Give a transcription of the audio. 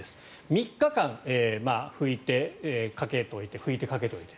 ３日間、拭いてかけておいて拭いてかけておいて。